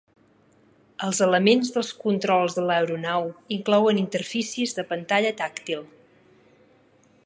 Els elements dels controls de l'aeronau inclouen interfícies de pantalla tàctil.